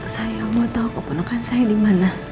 saya mau tau kebenakan saya dimana